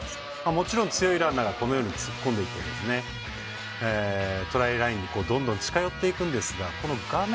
もちろん、強いランナーが突っ込んでいってトライラインにどんどん近寄っていくんですがこの画面